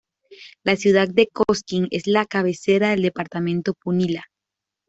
La ciudad de Cosquín es la cabecera del departamento Punilla.